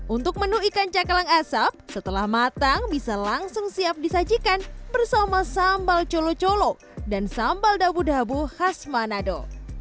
untuk menu ikan cakalang asap setelah matang bisa langsung siap disajikan bersama sambal colo colo dan sambal dabu dabu khas manado